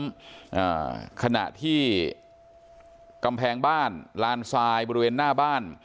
อ่าขณะที่กำแพงบ้านลานทรายบริเวณหน้าบ้าน